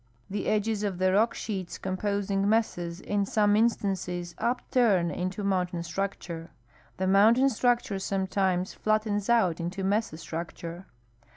The edges of the rock sheets composing mesas in some in stances upturn into mountain structure. The mountain struc ture sometimes flattens out into mesa structure.